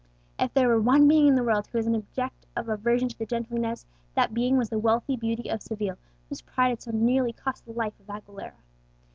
If there were one being in the world who was an object of aversion to the gentle Inez, that being was the wealthy beauty of Seville, whose pride had so nearly cost the life of Aguilera.